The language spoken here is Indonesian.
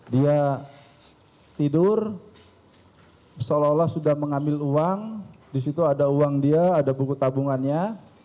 dia tidur seolah olah sudah mengambil uang disitu ada uang dia ada buku tabungannya